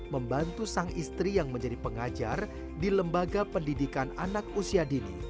membantu sang istri yang menjadi pengajar di lembaga pendidikan anak usia dini